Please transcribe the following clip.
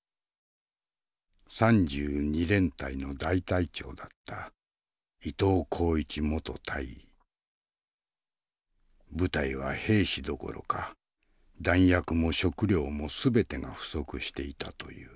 ３２連隊の大隊長だった部隊は兵士どころか弾薬も食糧も全てが不足していたという。